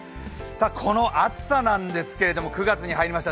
この暑さなんですけども、９月に入りました。